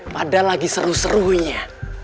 padahal lagi seru serunya